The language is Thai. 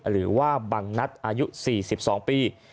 หรือว่าบังนัดอายุ๔๒ปี